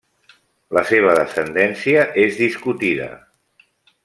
La seva descendència és discutida.